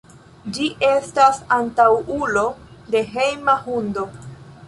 Ĝi estas antaŭulo de hejma hundo.